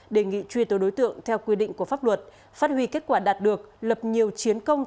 đề nghị truy tố đối tượng theo quy định của pháp luật phát huy kết quả đạt được